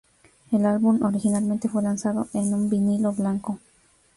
El álbum originalmente fue lanzado en un vinilo blanco.